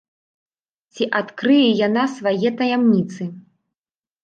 Ці адкрые яна свае таямніцы?